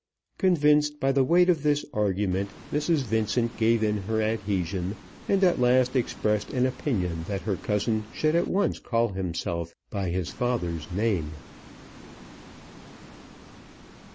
Convinced by the weight of this argument Mrs. Vincent gave in her adhesion, and at last expressed an opinion that her cousin should at once call himself by his father's name.